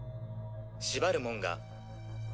縛るもんが。